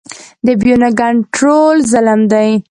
د بیو نه کنټرول ظلم دی.